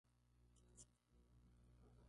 Para Irán la operación fue un desastre.